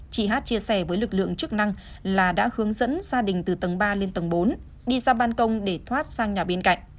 chị hát chia sẻ với lực lượng chức năng là đã hướng dẫn gia đình từ tầng ba lên tầng bốn đi ra ban công để thoát sang nhà bên cạnh